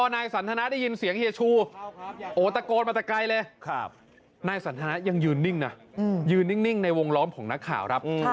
นายสันธานายังยืนนิ่งนะยืนนิ่งในวงล้อมของนักข่าวครับ